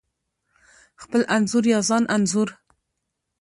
خپل انځور یا ځان انځور: